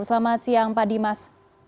selamat siang pak dimas